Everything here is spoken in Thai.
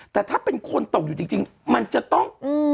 แต่ถ้าเป็นคนตกอยู่จริงมันจะต้อง